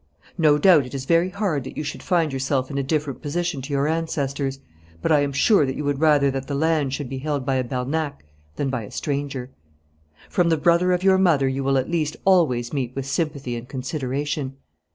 No doubt it is very hard that you should find yourself in a different position to your ancestors, but I am sure that you would rather that the land should be held by a Bernac than by a stranger. From the brother of your mother you will at least always meet with sympathy and consideration.